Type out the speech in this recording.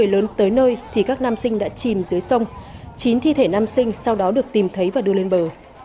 lớn tới nơi thì các nam sinh đã chìm dưới sông chín thi thể nam sinh sau đó được tìm thấy và đưa lên bờ